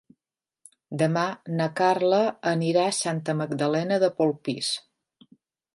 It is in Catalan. Demà na Carla anirà a Santa Magdalena de Polpís.